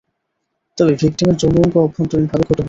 তবে ভিকটিমের যৌন অঙ্গ অভ্যন্তরীণভাবে ক্ষত হয়েছে।